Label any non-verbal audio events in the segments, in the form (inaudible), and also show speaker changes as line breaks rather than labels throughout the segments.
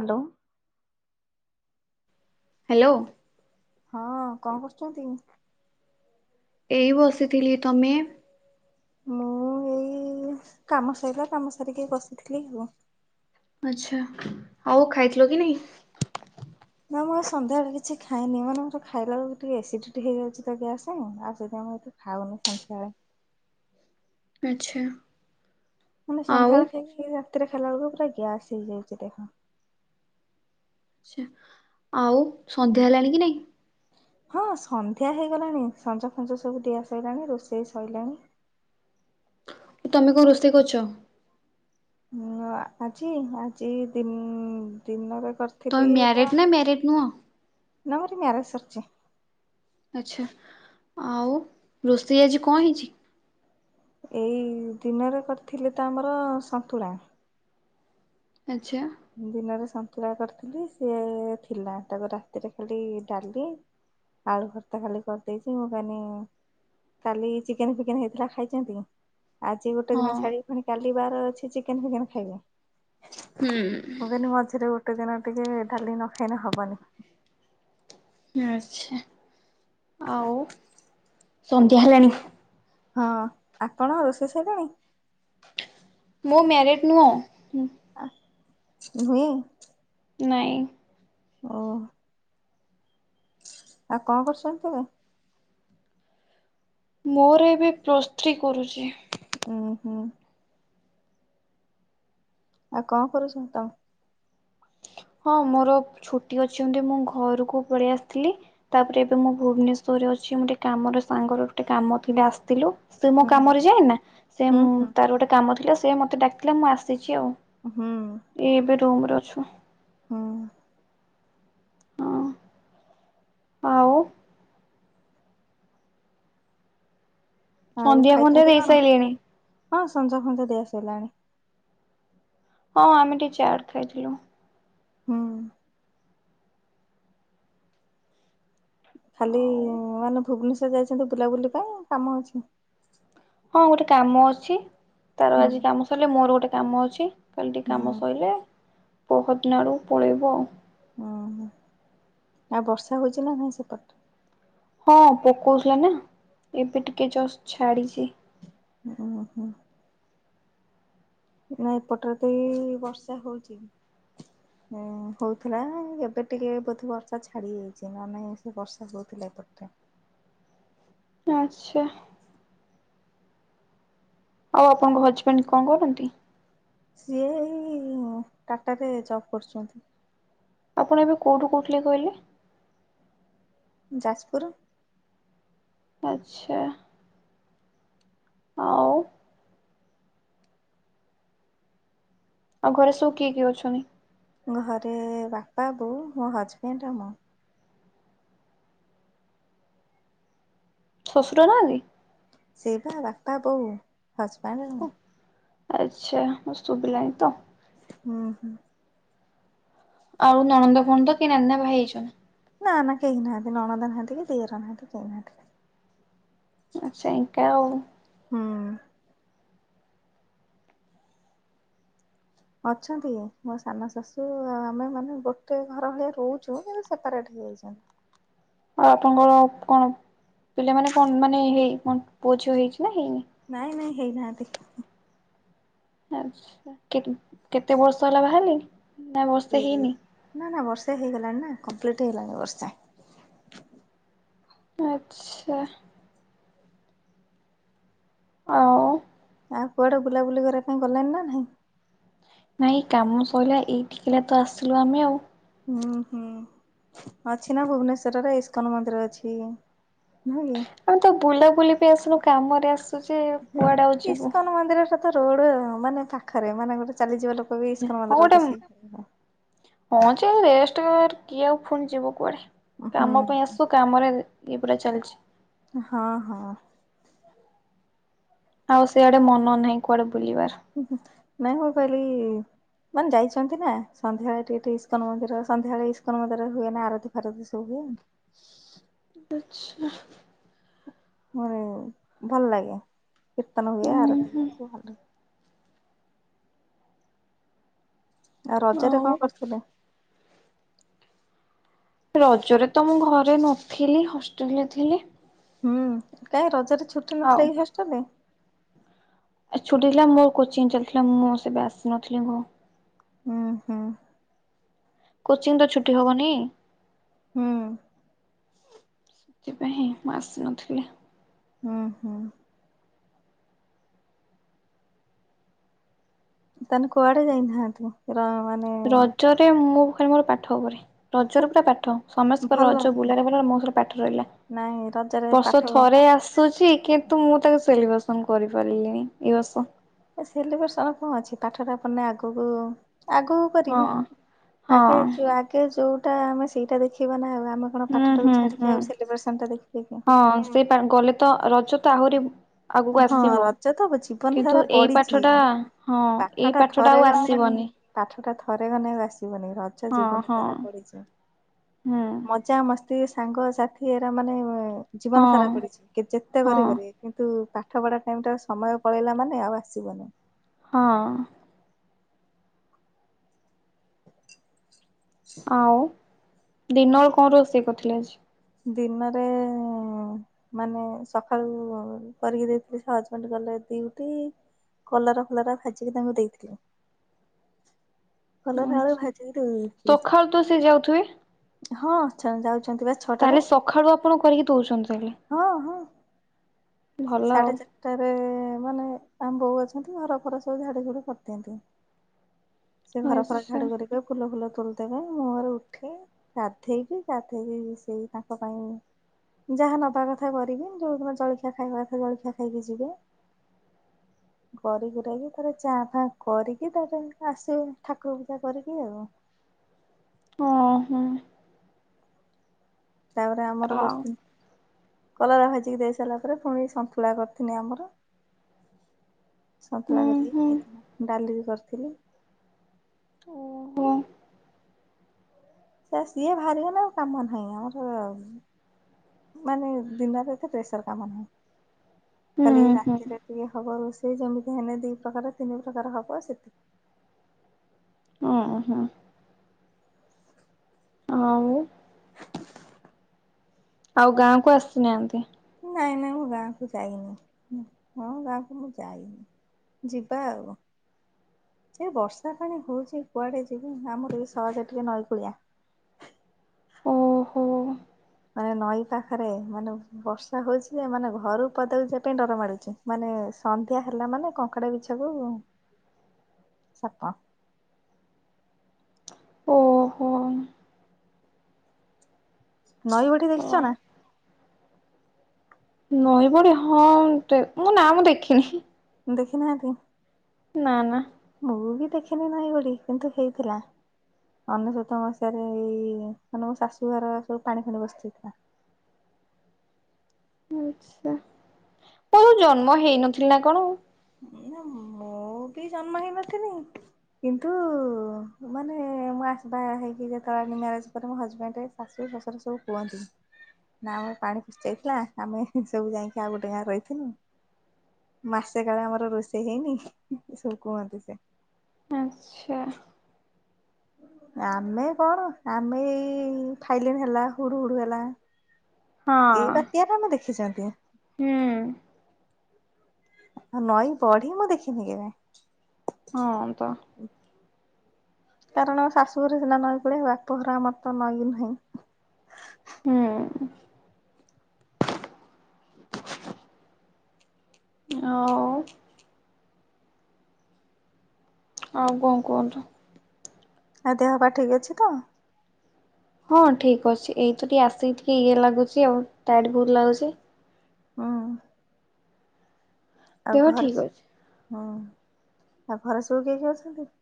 Hello.
Hello.
ହଁ କଣ କରୁଛନ୍ତି?
ଏଇ ବସିଥିଲି ତମେ।
ମୁଁ ଏଇ କାମ ସାଇଲା କାମ ସାରିକି ବସିଥିଲି ଆଉ।
ଆଛା ଆଉ ଖାଇଥିଲ କି ନାଇଁ?
ନା ମୁଁ ସନ୍ଧ୍ୟାବେଳେ କିଛି ଖାଇନି ମାନେ ମୋର ଖାଇଲା ବଳକୁ ଟିକେ ଆସିଡିଟି ହେଇଯାଉଛି ତ ଗ୍ୟାସ ଆ ସେଥି ପାଇଁ ମୁଁ ଏତେ ଖାଉନୁ ସନ୍ଧ୍ୟା ବେଳେ।
ଆଚ୍ଛା।
ମାନେ
ଆଉ
ସନ୍ଧ୍ୟାବେଳେ ଖାଇକି ରାତିରେ ଖାଇଲା ବେଳକୁ ପୁରା ଗ୍ୟାସ୍ ହେଇଯାଇଛି ଦେଖ।
ଆଛା ଆଉ ସନ୍ଧ୍ୟା ହେଲାଣି କି ନାଇଁ?
ହଁ ସନ୍ଧ୍ୟା ହେଇଗଲାଣି ସଞ୍ଜ ଫଞ୍ଜ ସବୁ ଦିଆ ସଇଲାଣି ରୋଷେଇ ସରଲାଣି।
ତମେ କୋଉ ରୋଷେଇ କରୁଛ?
ହଁ ଆଜି ଆଜି ଦି ଦିନରେ କ
ତମେ
ଥିଲି ପା
ମ୍ୟାରେଡ ନା ମ୍ୟାରେଡ ନୁହଁ
ନା ମୋରି ମ୍ୟାରେଜ ସରିଛି।
ଆଚ୍ଛା ଆଉ ରୋଷେଇ ଆଜି କଣ ହେଇଛି?
ଏଇ ଦିନରେ କରିଥିଲି ତ ଆମର ସନ୍ତୁଳା।
ଆଚ୍ଛା।
ଦିନରେ ସନ୍ତୁଳା କରିଥିଲି ସିଏ ଥିଲା ତାକୁ ରାତିରେ ଖାଲି ଡାଲି। ଆଳୁ ଖର୍ତା ଖାଲି କରିଦେଇଛି ମୁଁ କନି କାଲି ଚିକେନ ଫିକେନ ହେଇଥିଲା ଖାଇଛନ୍ତି? ଆଜି ଗୋଟେ ଦିନ
ହଁ
ଛାଡିକି ଫୁଣି କାଲି ବାର ଅଛି ଚିକେନ ଫିକେନ ଖାଇବେ।
ହୁଁ।
ମୁଁ କହିଲି ମଝିରେ ଗୋଟେ ଦିନ ଟିକେ ଡ଼ାଲି ନ ଖାଇଲେ ହବନି।
ଆଛା ଆଉ ସନ୍ଧ୍ୟା ହେଲାଣି?
ହଁ ଆପଣ ରୋଷେଇ ସଇଲାଣି?
ମୁଁ ମ୍ୟାରେଡ ନୁହଁ।
ଆ ନୁହେଁ?
ନାଇଁ।
ଓ। ଆଉ କଣ କରୁଛନ୍ତି ତେବେ?
ମୋର ଏବେ ପ୍ଲସ ଥ୍ରି କରୁଛି।
ଓୁଁ ହୁଁ। ଆଉ କଣ କରୁଛ ତମେ?
ହଁ ମୋର ଛୁଟି ଅଛନ୍ତି ମୁଁ ଘରକୁ ପଳେଇ ଆସିଥିଲି। ତାପରେ ଏବେ ମୁଁ ଭୁବନେଶ୍ଵରରେ ଅଛି ମୁଁ ଟିକେ କାମରେ ସାଙ୍ଗରେ ଗୋଟେ କାମ ଥିଲେ ଆସିଥିଲୁ। ସେ ମୋ
ହୁଁ
କାମରେ ଯାଏନା ସେ
ହୁଁ ହୁଁ
ତାର ଗୋଟେ କାମ ଥିଲା ସିଏ ମତେ ଡାକିଲା ମୁଁ ଆସିଚି ଆଉ।
ହୁଁ।
ଏଇ ଏବେ ରୁମ ରେ ଅଛୁ।
ହୁଁ।
ହଁ ଆଉ।
ଆଉ
ସନ୍ଧ୍ୟା ଫନ୍ଧ୍ୟା
ଖାଇଚନ୍ତି
ଦେଇ
କଣ?
ସାରିଲେଣି
ହଁ ସଞ୍ଜ ଫଞ୍ଜ ଦିଆସଇଲାଣି।
ହଁ ଆମେ ଟିକେ ଚାଟ୍ ଖାଇଥିଲୁ।
ହୁଁ। ଖାଲି
ଆଉ
ମାନେ ଭୁବନେଶ୍ଵର ଯାଇଚନ୍ତି ବୁଲାବୁଲି ପାଇଁ କାମ ଅଛି?
ହଁ ଗୋଟେ କାମ ଅଛି ତାର
ହୁଁ।
ଆଜି କାମ ସଇଲ ମୋର ଗୋଟେ କାମ ଅଛି। କାଲି ଟିକେ କାମ
ହୁଁ
ସଇଲେ ପହଦିନ ଆଡୁକୁ ପଳେଇବୁ ଆଉ।
ଉଁ ହୁଁ ଆଉ ବର୍ଷା ହଉଚି ନା ନାହିଁ ସେପଟ
ହଁ ପକଉଥୁଲା ନା ଏବେ ଟିକେ ଜଷ୍ଟ ଛାଡିଚି।
ଓହୋ। ନା ଏପଟରେ ତ ଏଇ ବର୍ଷା ହଉଚି। ହଁ ହଉଥୁଲା ଏବେ ଟିକେ ବୋଧେ ବର୍ଷା ଛାଡି ଯାଇଚି ନ ନାଇଁ ସେ ବର୍ଷା ହଉଥିଲା ଏପଟରେ।
ଆଛା। ଆଉ ଆପଣଙ୍କ ହଜବେଣ୍ଡ କଣ କରନ୍ତି?
ସିଏ ଏଇ ଟାଟାରେ ଜବ୍ କରୁଚନ୍ତି।
ଆପଣ ଏବେ କୋଉଠୁ କୋହୁଥିଲେ କଇଲେ?
ଯାଜପୁରୁ।
ଆଚ୍ଛା। ଆଉ ଆଉ ଘରେ ସବୁ କିଏ କିଏ ଅଛନ୍ତି?
ଘରେ ବାପା, ବୋଉ ମୋ ହଜବେଣ୍ଡ ଆଉ ମୁଁ।
ଶଶୁର ନାହାନ୍ତି?
ସେ ପା ବାପା ବୋଉ ହଜବେଣ୍ଡ। ମୁଁ
ଆଚ୍ଛା ମତେ ଶୁଭିଲାଣି ତ।
ହୁଁ ହୁଁ।
ଆଉ ନଣନ୍ଦ ଫଣନ୍ଦ କେଇ ନା ନା ଭାଇ ଅଛନ୍ତି?
ନା ନା କେହି ନାହାନ୍ତି ନଣନ୍ଦ ନାହାନ୍ତି କି ଦିଅର ନାହାନ୍ତି କେହି ନାହାନ୍ତି।
ଆଚ୍ଛା ଏଙ୍କା ଆଉ।
ହୁଁ। ଅଛନ୍ତି ମୋ ସାନ ଶାଶୁ ଆମେ ମାନେ ଗୋଟେ ଘର ଭଳିଆ ରହୁଛୁ ମାନେ ସେ ସେପାରେଟ୍ ହେଇଯାଇଚନ୍ତି।
ଆଉ ଆପଣଙ୍କର କଣ ପିଲାମାନେ କଣ ମାନେ ହେଇ କଣ ପୁଅ ଝିଅ ହେଇଚି ନା ହେଇନି?
ନାଇଁ ନାଇଁ ହେଇନାହାନ୍ତି।
ଆଛା କେ-କେତେ ବର୍ଷ ହେଲା ବାହା ହେଲେଣି? ନା ବର୍ଷେ
ଏଇ
ହେଇନି
ନା ନା ବର୍ଷେ ହେଇଗଲାଣି ନା କମ୍ପ୍ଲିଟ ହେଇଗଲଣି ବର୍ଷେ।
ଆଚ୍ଛା। ଆଉ
ଆଉ କୁଆଡେ ବୁଲାବୁଲି କରିବା ପାଇଁ ଗଲେଣି ନା ନାହିଁ?
ନାଇ କାମ ସରିଲା ଏଇଠିକିଲା ତ ଆସିଲୁ ଆମେ ଆଉ।
ହୁଁ ହୁଁ। ଅଛି ନା ଭୁବନେଶ୍ଵରରେ ଇସ୍କନ ମନ୍ଦିର ଅଛି ନୁହଁ କି?
ଆମେ ତ ବୁଲାବୁଲି ପି ଆସୁନୁ କାମରେ ଆସୁଚି କୁଆଡେ ଆଉ ଯିବୁ।
ଇସ୍କନ ମନ୍ଦିରଟା ତ ରୋଡ ମାନେ ପାଖରେ ମାନେ ଗୋଟେ ଚାଲିଯିବା ଲୋ
ହଉ ଗୋଟେ ହଁ ଯେ ରେଷ୍ଟ କିଏ ଆଉ ଫୁଣି ଯିବ କୁଆଡେ? କାମ ପାଇଁ ଆସୁ
ହୁଁ
କାମରେ ଇଏ ପୁରା ଚାଲିଚି।
ହଁ ହଁ।
ଆଉ ସିଆଡେ ମନ ନାହିଁ କୁଆଡେ ବୁଲିବାର।
ନାଇଁ ମୁଁ କହିଲି ମାନେ ଯାଇଚନ୍ତି ନା ସନ୍ଧ୍ୟାବେଳେ ଟିକେ ଟିକେ ଇସ୍କନ ମନ୍ଦିର ସନ୍ଧ୍ୟାବେଳେ ଇସ୍କନ ମନ୍ଦିର ହୁଏ ନା ଆରତୀ ଫାରତୀ ସବୁ ହୁଏ।
ଆଚ୍ଛା।
ମୋର ଭଲ ଲାଗେ କୀର୍ତ୍ତନ ହୁଏ
ଉଁ
ଆରତୀ
ହୁଁ
ସବୁ ଭଲ ଲାଗେ। ଆଉ ରଜ ରେ କଣ କରିଥିଲେ?
ରଜରେ ତ ମୁଁ ଘରେ ନଥିଲି ହଷ୍ଟେଲରେ ଥିଲି।
ହୁଁ କାଇଁ ରଜରେ ଛୁଟି
ଆଉ
ନଥିଲା କି ହଷ୍ଟେଲରେ?
ଛୁଟିଥିଲା ମୋର କୋଚିଂ ଚାଲିଥିଲା ମୁଁ ସେବେ ଆସିନଥିଲି।
ହୁଁ ହୁଁ।
କୋଚିଂ ତ ଛୁଟି ହବନି।
ହୁଁ।
ସେଥିପାଇଁ ହିଁ ମୁଁ ଆସିନଥିଲି।
ହୁଁ ହୁଁ। ତାହେନେ କୁଆଡେ ଯାଇନାହାନ୍ତି ମାନେ
ରଜରେ ମୁଁ ଖାଲି ମୋର ପାଠ ଉପରେ। ରଜରେ ପୁରା ପାଠ ସମସ୍ତଙ୍କର ରଜ ବୁଲାରେ ଭଲ ମୋ ପାଠ ରହିଲା।
ନାଇଁ ରଜରେ ପାଠ
ବର୍ଷ ଥରେ ଆସୁଛି କିନ୍ତୁ ମୁଁ ତାକୁ ସେଲିବ୍ରେସନ କରିପାରିଲିଣିି ଏଇ ବର୍ଷ।
ସେଲିବ୍ରେସନ କଣ ଅଛି ପାଠଟା ପଢେ ଆଗକୁ
ହଁ
ଆଗକୁ
ହଁ
ଆଗ ଆଗେ ଯୋଉଟା ଆମେ ସେଇଟା ଦେଖିବା ନା ଆଉ ଆମ ଆପଣ
ହୁଁ
ପାଠଟାକୁ
ହୁଁ ହୁଁ
ଛାଡିକି ଆଉ ସେଲି ବ୍ରେସନ ଟାକୁ ଦେଖିବେ
ହଁ
କି?
ସେ ଗଲେ ତ ରଜ ତ ଆହୁରି ଆଗକୁ
ହଁ
ଆସିବ।
ରଜ ତ ଜୀବନ
କିନ୍ତୁ
ସାରା
ଏଇ
ପଡିିଚି
ପାଠଟା ହଁ
ପାଠ
ଏଇ
ଟା
ପାଠଟା
ଥରେ
ଆଉ
ଗଲେ
ଆସିବନି।
ପାଠ ଟା ଥରେ ଗଲେ ଆଉ ଆସିବନି ରଜ
ହଁ
ଜୀବନ
ହଁ
ସାରା ପଡିଚି ମ
ହୁଁ
ମଜାମସ୍ତି ସାଙ୍ଗସଥିୀ ଏରା ମାନେ
ହଁ
ଜୀବନ ସାରା ପଡିଚି ଯେତେ
ହଁ
କରି ପାରିବେ। କିନ୍ତୁ ପାଠ ପଢା ଟାଇମ ଟା ସମୟ ପଳେଇଲା ମାନେ ଆଉ ଆସିବନି‌।
ହଁ। ଆଉ ଦିନରୁ କଣ ରୋଷେଇ କରିଥିଲେ ଆଜି।
ଦିନରେ ମାନେ ସକାଳୁ କରିକି ଦେଇଥିଲି ଜେ ହଜବେଣ୍ଡ ଗଲେ ଡିଉଟି କଲରା ଫଲରା ଭାଜିକି ତାଙ୍କୁ ଦେଇଥିଲୁ। ଭଲରେ ଆଳୁ
ଆଜି?
ଭାଜିକି ଦେଇ ଦେଇଚି।
ସକାଳୁ ତ ସେ ଯାଉଥିବେ?
ହଁ ଯାଉଛନ୍ତି ବା। ଛଅଟାରେ
ତାହେଲେ ସଖାଳୁ ଆପଣ କରିକି ଦଉଚନ୍ତି ତାହେଲେ।
ହଁ ହଁ।
ଭଲ ଆଉ।
ସାଢ଼େ ଚାରିଟାରେ ମାନେ ଆମ ବୋଉ ଅଛନ୍ତି ଘର ଫର ସବୁ ଝାଡୁ ଝୁଡା କରିଦିଅନ୍ତି। ସେ ଘର ଫର
ଆଚ୍ଛା
ଝାଡୁ କରିକି ଫୁଲ ଫୁଲ ତୋଳି ଦେବେ ମୁଁ ର ଉଠେ। ଗାଧେଇକି ଗାଧେଇକି ସେଇ ତାଙ୍କ ପାଇଁ ଯାହା ନବା କଥା କରିବି ଯୋଉଦିନ ଜଳଖିଆ ଖାଇବା କଥା ଜଳଖିଆ ଖାଇକି ଯିବେ। କରି କୁରାକି ତାପରେ ଚା ଫା କରିକି ତାପରେ ଆସିବି ଠାକୁର ପୂଜା କରିକି ଆଉ।
ଓ ହୋ।
ତାପରେ ଆମର
ଆଉ
କରିିଥିଲି କଲରା ଭାଜିକି ଦେଇ ସାରିଲା ପରେ ପୁଣି ସନ୍ତୁଳା କରିିଥିଲି ଆମର। ସନ୍ତଳା
ହୁଁ
କରିକି
ହୁଁ।
ଖାଇଥିଲୁ ଡାଲି ବି କରିଥିଲି।
ଓହୋ।
ସେ ସିଏ ବାହାରିଗଲେ ଆଉ କାମ ନାହିଁ ଆମର ସି ମାନେ ଦିନରେ ଏତେ ପ୍ରେସର କାମ ନୁହୁଁ।
ହୁଁ
ଖାଲି
ହୁଁ
ରାତିରେ ଟିକେ ହବ ରୋଷେଇ ଯେମିତି ହେଲେ ଦୁଇ ପ୍ରକାର ତିନି ପ୍ରକାର ହବ ସେଥିେ
ଓ-ହୁଁ। ଆଉ ଆଉ ଗାଁ କୁ ଆସିନାହାନ୍ତି?
ନାଇଁ ନାଇଁ ମୁଁ ଗାଁକୁ ଯାଇନି ହଁ ଗାଁ କୁ ମୁଁ ଯାଇନି। ଯିବା ଆଉ। ଯୋଉ ବର୍ଷା ପାଣି ହଉଚି କୁଆଡ଼େ ଯିବି ଆମର ବି ସହଜ ଟିକେ ନଈକୂଳିଆ।
ଓ ହୋ।
ମାନେ ନଈ ପାଖରେ ମାନେ ବର୍ଷା ହଉଛି ମାନେ ଘରୁ ପଦାକୁ ଯିବା ପାଇଁ ଡ଼ର ମାଡୁଚି ମାନେ ସନ୍ଧ୍ୟା ହେଲା ମାନେ କଙ୍କଡ଼ା ବିଛା ସବୁ ସାପ
ଓ ହୋ।
ନଈ ବଢ଼ି
ଅ
ଦେଖିଛ ନା?
ନଈବଢ଼ି ହଁ (unintelligible) ନା ମୁଁ ଦେଖିନି।
ଦେଖି ନାହାନ୍ତି?
ନା ନା।
ମୁଁ ବି ଦେଖିନି ନଇବଢ଼ି କିନ୍ତୁ ହେଇଥିଲା। ଅନେଶତ ମସିହା ରେ ଏଇ ମାନେ ମୋ ଶାଶୁ ଘରେ ସବୁ ପାଣି ଫାଣି ପଶିଯାଇଥିଲା।
ଆଚ୍ଛା ମୁଁ ଜନ୍ମ ହେଇନଥିଲି ନା କଣ?
ମୁଁ ବି ଜନ୍ମ ହେଇନଥିଲି। କିନ୍ତୁ ମାନେ ମୁଁ (unintelligible) ଯେତେବେଳେ ମ୍ୟାରେଜ୍ ପରେ ମୋ ହଜବେଣ୍ଟେ ଶାଶୁ, ଶଶୁର ସବୁ (unintelligible) ନାଁ ଆମର ପାଣି ପଶି ଯାଇଥିଲା ଆମେ ସବୁ ଯାଇକି ଆଉ ଗୋଟେ ଗାଁରେ ରହିଥିନୁ। ମାସେ କାଳେ ଆମର ରୋଷେଇ ହେଇନି ହୁଁ ହୁଁ ସବୁ କୁହନ୍ତି ସେ।
ଆଚ୍ଛା।
ଆମେ କଣ ଆମେ ଏଇ ଫାଇଲିନ୍ ହେଲା ହୁଡ଼ୁ ହୁଡୁ ହେଲା
ହଁ।
(unintelligible) ଦେଖିଛନ୍ତି।
ହୁଁ।
ଆଉ ନଈ ବଢ଼ି ମୁଁ ଦେଖିନି କେବେ।
ହଁ ତ।
କାରଣ ଶାଶୁଘରେ ସିନା ନଈ କୂଳିଆ ବାପଘର ଆମର ତ ନଈ ନାହିଁ।
ହୁଁ। ଆଉ ଆଉ କଣ କୁହନ୍ତୁ?
ଆଉ ଦେହ ପା ଠିକ୍ ଅଛି ତ?
ହଁ ଠିକ୍ ଅଛି ଏଇ ତ ଟିକେ ଆସିକି ଇଏ ଲାଗୁଛି ଆଉ ଟାଏଡ୍ ବୋହୁତ୍ ଲାଗୁଛି‌।
ହଁ। ଆଉ
ଦେହ
ଘରେ
ଠିକ୍ ଅଛି।
ହୁଁ ଆଉ ଘରେ ସବୁ କିଏ କିଏ ଅଛନ୍ତି?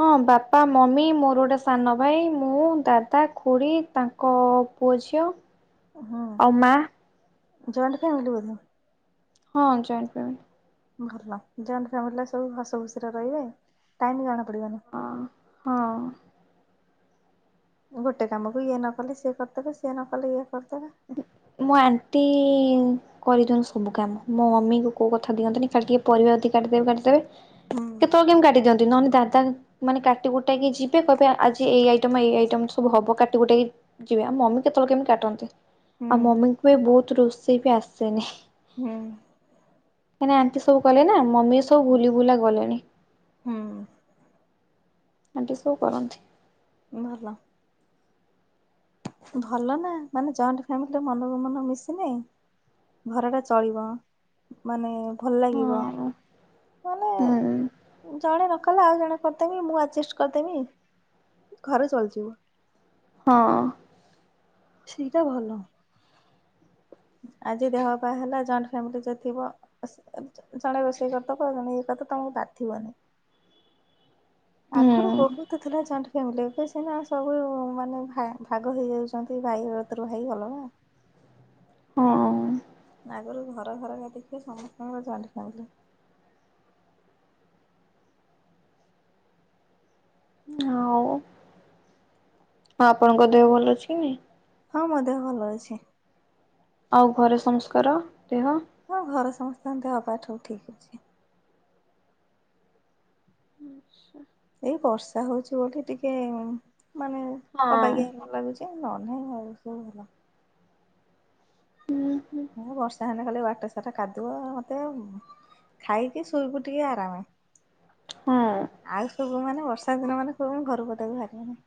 ହଁ ବାପା, ମମି ମୋର ଗୋଟେ ସାନ ଭାଇ, ମୁଁ, ଦାଦା, ଖୁଡ଼ୀ, ତାଙ୍କ ପୁଅ, ଝିଅ ଆଉ ମା
ହୁଁ ଜଏଣ୍ଟ୍ ଫ୍ୟାମିଲି ବୋଧେ?
ହଁ ଜଏଣ୍ଟ୍ ଫ୍ୟାମିଲି।
ଭଲ ଜଏଣ୍ଟ୍ ଫ୍ୟାମିଲି ରେ ସବୁ ହସ ଖୁସିରେ ରହିବେ ଟାଇମ୍ ଜଣା ପଡ଼ିବନି।
ହଁ ହଁ।
ଗୋଟେ କାମକୁ ଇଏ ନ କଲେ ସିଏ କରିଦେବେ ସିଏ ନ କଲେ ଇଏ କରିଦେବେ।
ମୋ ଆଣ୍ଟି କରିଦିଅନ୍ତି ସବୁ କାମ ମୋ ମମି ଙ୍କୁ କୋଉ କଥା ଦିଅନ୍ତିନି ଖାଲି ଟିକେ ପରିବା ଯଦି କାଟିଦେବେ କାଟିଦେବେ।
ହୁଁ
କେତେବେଳେ କେମିତି କାଟିଦିଅନ୍ତି ନହେଲେ ଦାଦା ମାନେ କାଟିକୁଟାକି ଯିବେ କହିବେ ଆଜି ଏଇ ଆଇଟମ୍ ଏଇ ଆଇଟମ୍ ସବୁ ହବ କାଟିକୁଟାକି ଯିବେ ଆଉ ମମି କେତେବେଳେ କେମିତି କାଟନ୍ତି।
ହୁଁ
ଆଉ ମମି ଙ୍କୁ ବି ବହୁତ୍ ରୋଷେଇ ବି ଆସେନି।
ହୁଁ।
କାଇଁନା ଆଣ୍ଟି ସବୁ କଲେ ନା ମମି ସବୁ‌ ଭୁଲି ଭୁଲା ଗଲେଣି।
ହୁଁ
ଆଣ୍ଟି ସବୁ କରନ୍ତି।
ଭଲ। ଭଲ ନା ମାନେ ଜଏଣ୍ଟ ଫ୍ୟାମିଲିର ମନକୁ ମନ ମିଶିଲେ ଘରଟା ଚଳିବ ମାନେ ଭଲ ଲାଗିବ
ହଁ
ମାନେ
ହୁଁ
ଜଣେ ନ କଲେ ଆଉ ଜଣେ କରିଦେମି ମୁଁ ଆଜେଷ୍ଟ କରିଦେମି ଘରେ ଚଳଯିବ।
ହଁ।
ସେଇଟା ଭଲ। ଆଜି ଦେହ ବା ହେଲା ଜଏଣ୍ଟ ଫ୍ୟାମିଲି ଯ ଥିବ ଜଣେ ରୋଷେଇ କରିଥା କହ ଜଣେ ଏଇ କଥା ତମକୁ ଡାଥିବନି। ଆଗରୁ
ହୁଁ
ବହୁତ ଥିଲା ଜ ଫ୍ୟାମିଲିରେ ବି ସିନା ସବୁ ମାନେ ଭା ଭାଗ ହେଇଯାଉଛନ୍ତି ଭାଇ କତିରୁ ଭାଇ ଅଲଗା
ହୁଁ।
ଆଗରୁ ଘର ଘର କା ଦେଖେ ସମସ୍ତଙ୍କର ଚାଲିିଥାନ୍ତି
ଆଉ ଆପଣଙ୍କ ଦେହ ଭଲ ଅଛି?
ହଁ ମୋ ଦେହ ଭଲ ଅଛି।
ଆଉ ଘରେ ସମସ୍ତିଙ୍କର ଦେହ?
ହଁ ଘରେ ସମସ୍ତଙ୍କ ଦେହପାହା ଠିକ୍ ଅଛି।
ଆଚ୍ଛା।
ବର୍ଷା ହଉଛି ବୋଲି ଟିକେ ମାନେ ଅବାଗିଆ ଲାଗୁଛି। ସେ ନ ନହିଁ ଭ ସ ହେଲା (inaudible)
ହୁଁ ହୁଁ।
ବର୍ଷା ହେଲେ କାଲି ବାଟ ସାରା କାଦୁଅ ମତେ ଆଉ ଖାଇକି ଶୋଇବୁ ଟିକେ ଆରାମ।
ହଁ।
ଆଉ ସବୁ ମାନେ ବର୍ଷା ଦିନ ମାନେ ସବୁେ ଘର କଦକୁ ବାହାରିବେନି।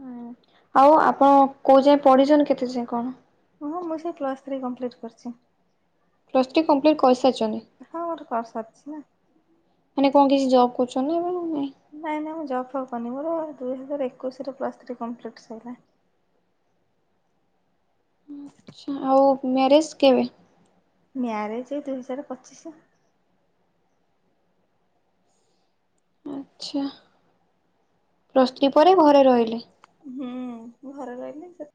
ହୁଁ ଆଉ ଆପଣ କୋଉ ଯାଏଁ ପଡିଛ କେତେ ଯାଏ କଣ?
ହଁ ମୁଁ ସେ କ୍ଲସ୍ ଥ୍ରୀ କମ୍ପ୍ଲିଟ୍ କରିଛି।
ପ୍ଲସ୍ଟି କମ୍ପ୍ଲିଟ୍ କରିସାରିଛନ୍ତିି।
ହଁ ଗୋଟେ କରିସାରିଛି ନା।
ମାନେ କଣ କିଛି ଜବ୍ କରୁଛନ୍ତି ଏ ନାଇଁ?
ନାଇଁ ନାଇଁ ମୁଁ ଜବ୍ ହେବନି ମୋର ଦୁଇହଜାର ଏକୋଇଶରେ ପ୍ଲସ୍ ଥ୍ରୀ କମ୍ପ୍ଲିଟ୍ ସରିଲା।
ଆଚ୍ଛା ଆଉ ମ୍ୟାରେଜ୍ କେବେ?
ମ୍ୟାରେଜ ଏ ଦୁଇ ହଜାର ପଚିଶ।
ଆଚ୍ଛା ପ୍ରସ୍ତ୍ରୀ ପରେ ଘରେ ରହିଲି
ହୁଁ ଘରେ ରହିଲି ସେ